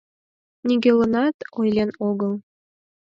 — Нигӧланат ойлен огыл.